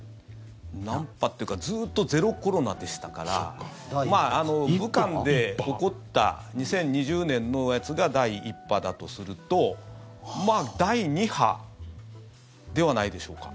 何波っていうかずっとゼロコロナでしたから武漢で起こった２０２０年のやつが第１波だとするとまあ第２波ではないでしょうか。